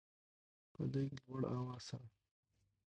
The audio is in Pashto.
په لږ لوړ اواز سره